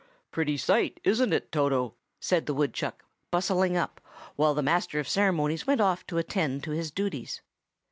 "Pretty sight, isn't it, Toto?" said the woodchuck, bustling up, while the master of ceremonies went off to attend to his duties.